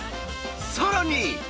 ［さらに］